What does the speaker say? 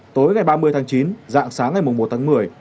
tối ngày ba mươi tháng chín dạng sáng ngày một tháng một mươi